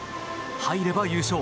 入れば優勝。